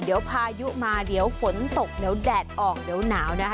เดี๋ยวพายุมาเดี๋ยวฝนตกเดี๋ยวแดดออกเดี๋ยวหนาวนะคะ